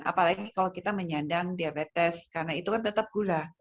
apalagi kalau kita menyandang diabetes karena itu kan tetap gula